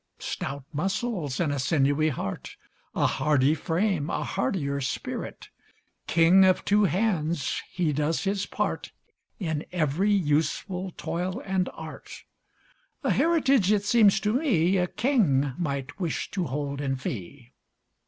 Stout muscles and a sinewy heart, A hardy frame, a hardier spirit; King of two hands, he does his part In every useful toil and art; A heritage, it seems to me, A king might wish to hold in fee.